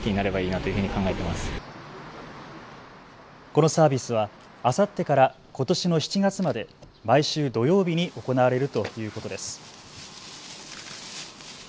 このサービスは、あさってからことしの７月まで毎週土曜日に行われるということです。